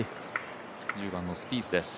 １０番のスピースです。